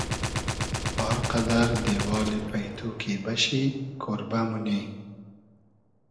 ار قئدئر دېوالی پݷتو کی بئشی کۉربۂ مونی